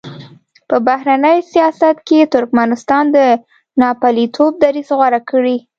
په بهرني سیاست کې ترکمنستان د ناپېیلتوب دریځ غوره کړی.